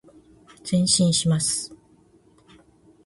前進します。